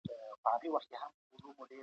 کله چي قران نازل سو، د زور غندنه يې وکړه.